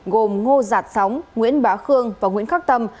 gồm ngô giạt sóng nguyễn bá khương và nguyễn khắc tâm